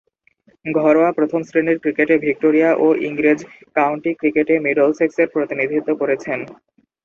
ঘরোয়া প্রথম-শ্রেণীর ক্রিকেটে ভিক্টোরিয়া ও ইংরেজ কাউন্টি ক্রিকেটে মিডলসেক্সের প্রতিনিধিত্ব করেছেন।